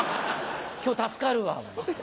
今日助かるわ。